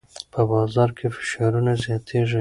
په بازار کې فشارونه زیاتېږي.